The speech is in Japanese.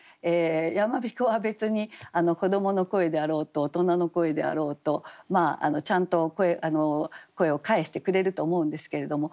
山彦は別に子どもの声であろうと大人の声であろうとちゃんと声を返してくれると思うんですけれども。